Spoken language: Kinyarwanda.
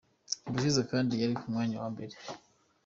Ubushize kandi yari ku mwanya wa mbere.